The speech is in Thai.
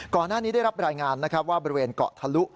ก่อนหน้านี้ได้รับรายงานนะครับว่าบริเวณเกาะทะลุ